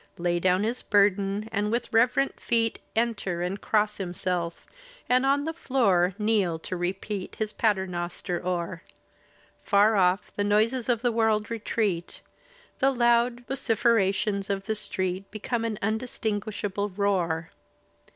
Lay down his burden, and with reverent feet Enter, and cross himself, and on the floor Kneel to repeat his paternoster o'er; Far off the noises of the world retreat; The loud vociferations of the street Become an undistinguishable roar.